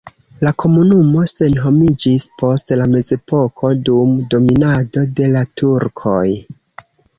La komunumo senhomiĝis post la mezepoko dum dominado de la turkoj.